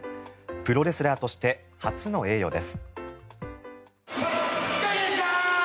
プロレスラーとして初の栄誉です。